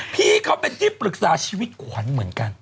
พี่เขาเป็นที่ปรึกษาชีวิตขวัญเหมือนกัน